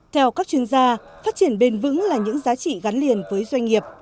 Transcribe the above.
theo các chuyên gia phát triển bền vững là những giá trị gắn liền với doanh nghiệp